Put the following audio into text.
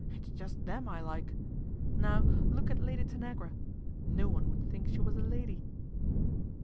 It's just them I like. Now look at Lady anagra. No one would think she was a lady."